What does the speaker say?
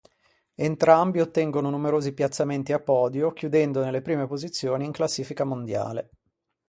Entrambi ottengono numerosi piazzamenti a podio chiudendo nelle prime posizioni in classifica mondiale.